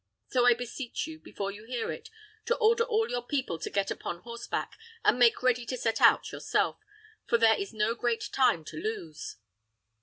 So I beseech you, before you hear it, to order all your people to get upon horseback, and make ready to set out yourself, for there is no great time to lose."